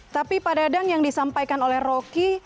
tapi pada adang yang disampaikan oleh rocky